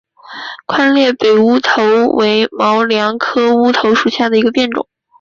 宽裂北乌头为毛茛科乌头属下的一个变种。